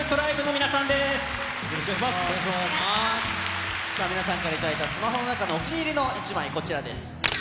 皆さんから頂いたスマホの中のお気に入りの一枚、こちらです。